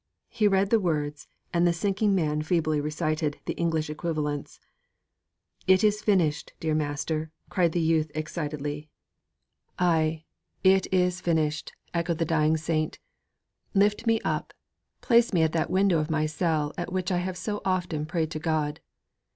He read the words and the sinking man feebly recited the English equivalents. 'It is finished, dear master!' cried the youth excitedly. 'Ay, it is finished!' echoed the dying saint; 'lift me up, place me at that window of my cell at which I have so often prayed to God.